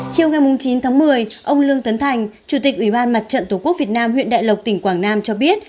chiều ngày chín tháng một mươi ông lương tấn thành chủ tịch ủy ban mặt trận tổ quốc việt nam huyện đại lộc tỉnh quảng nam cho biết